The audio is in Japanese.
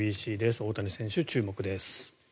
大谷選手、注目です。